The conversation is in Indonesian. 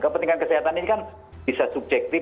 kepentingan kesehatan ini kan bisa subjektif